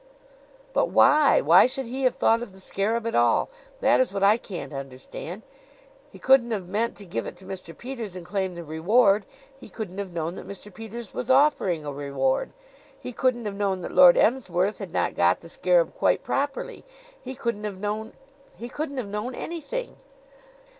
"But why? Why should he have thought of the scarab at all? That is what I can't understand. He couldn't have meant to give it to Mr. Peters and claim the reward. He couldn't have known that Mr. Peters was offering a reward. He couldn't have known that Lord Emsworth had not got the scarab quite properly. He couldn't have known he couldn't have known anything!"